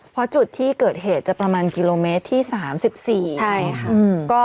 เพราะจุดที่เกิดเหตุจะประมาณกิโลเมตรที่๓๔ใช่ค่ะ